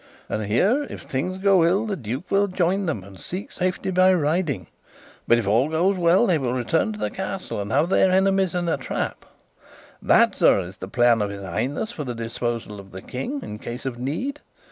And here, if things go ill, the duke will join them and seek safety by riding; but if all goes well, they will return to the Castle, and have their enemies in a trap. That, sir, is the plan of his Highness for the disposal of the King in case of need.